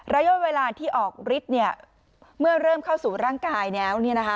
ระยะเวลาที่ออกฤทธิ์เมื่อเริ่มเข้าสู่ร่างกายแล้ว